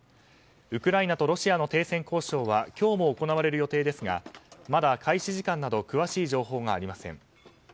ウクライナとロシアの停戦交渉は今日も行われる予定ですがまだ開始時間など詳しい情報がありません。